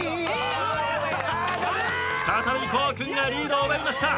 再び胡央君がリードを奪いました。